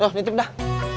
loh ditim dah